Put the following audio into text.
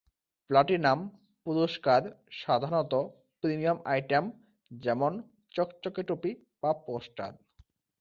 Platinum পুরস্কার সাধারণত premium item, যেমন চকচকে টুপি বা পোস্টার।